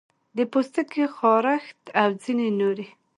د پوستکي خارښت او ځینې نورې